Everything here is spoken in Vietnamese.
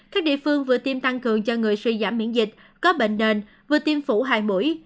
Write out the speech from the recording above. các địa phương vừa tiêm tăng cường cho người suy giảm miễn dịch có bệnh nền vừa tiêm phủ hài mũi